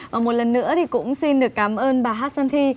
và một lần nữa thì cũng xin được cảm ơn bà ashanti